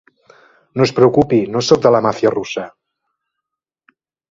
No es preocupi, no sóc de la màfia russa.